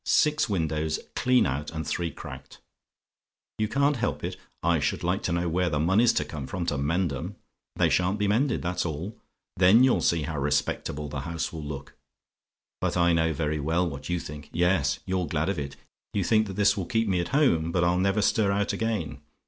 Six windows clean out, and three cracked! "YOU CAN'T HELP IT? "I should like to know where the money's to come from to mend 'em! They sha'n't be mended, that's all. Then you'll see how respectable the house will look. But I know very well what you think. Yes; you're glad of it. You think that this will keep me at home but I'll never stir out again.